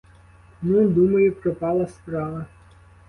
Ну, думаю, пропала справа.